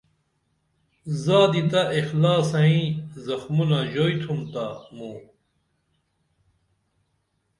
زادی تہ اخلاصیں زخمونہ ژوئی تُھم تا موں